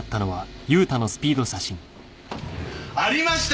ありました！